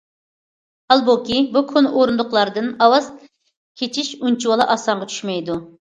ھالبۇكى بۇ كونا« ئورۇندۇقلار» دىن ۋاز كېچىش ئۇنچىۋالا ئاسانغا چۈشمەيدۇ.